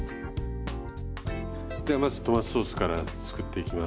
ではまずトマトソースから作っていきます。